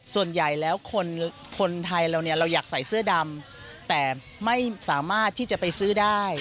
ส่วนใหญ่แล้วคนไทยเราเนี่ยเราอยากใส่เสื้อดำแต่ไม่สามารถที่จะไปซื้อได้